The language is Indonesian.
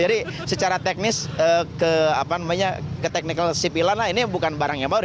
jadi secara teknis ke apa namanya ke teknikal sipilan lah ini bukan barang yang baru